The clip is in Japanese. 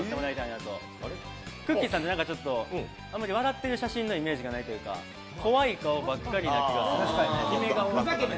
さんって、あまり笑ってる写真のイメージがないというか、怖い顔ばっかりな気がする。